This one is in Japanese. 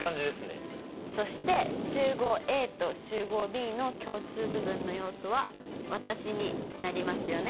そして集合Ａと集合Ｂの共通部分の要素は私になりますよね。